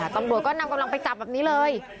ตำรวจก็นำกำลังไปจับแบบนี้เลย